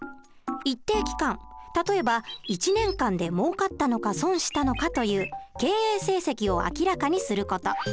一定期間例えば１年間でもうかったのか損したのかという経営成績を明らかにする事。